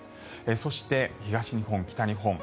そして東日本、北日本。